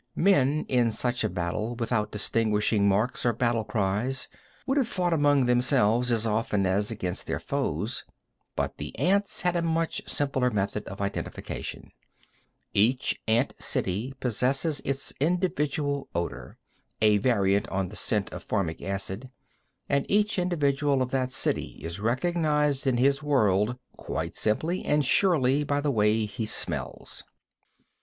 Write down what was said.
Men in such a battle, without distinguishing marks or battle cries, would have fought among themselves as often as against their foes, but the ants had a much simpler method of identification. Each ant city possesses its individual odor a variant on the scent of formic acid and each individual of that city is recognized in his world quite simply and surely by the way he smells.